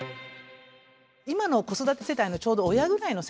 今の子育て世代のちょうど親ぐらいの世代ですね。